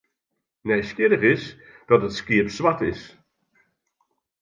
Nijsgjirrich is dat it skiep swart is.